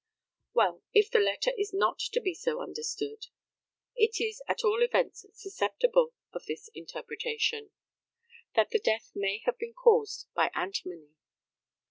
] Well, if the letter is not to be so understood, it is at all events susceptible of this interpretation that the death may have been caused by antimony.